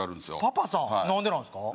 パパさん何でなんですか？